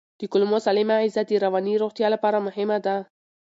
د کولمو سالمه غذا د رواني روغتیا لپاره مهمه ده.